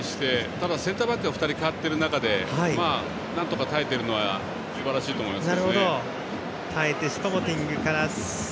ただセンターバックが２人変わっている中でなんとか耐えているのはすばらしいと思います。